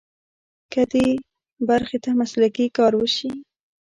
که دې برخې ته مسلکي کار وشي.